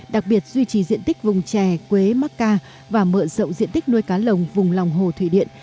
đặc biệt duy trì diện tích vùng trè quế mắc ca và mở rộng diện tích nuôi cá lồng vùng lòng hồ thủy điện